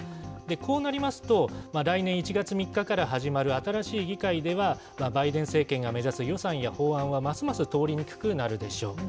こうなりますと、来年１月３日から始まる新しい議会では、バイデン政権が目指す予算や法案はますます通りにくくなるでしょう。